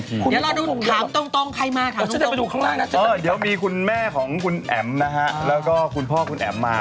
พรุ่งนี้ยังอยู่นะฮะ